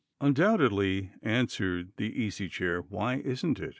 "Undoubtedly," answered the Easy Chair, "why isn't it?